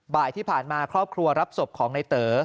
บ่ายที่ผ่านมาครอบครัวรับศพของในเต๋อ